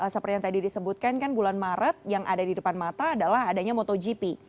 seperti yang tadi disebutkan kan bulan maret yang ada di depan mata adalah adanya motogp